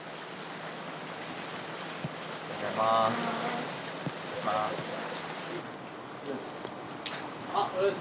おはようございます。